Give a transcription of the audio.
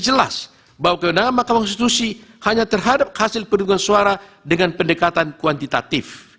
jelas bahwa kewenangan mahkamah konstitusi hanya terhadap hasil pedungan suara dengan pendekatan kuantitatif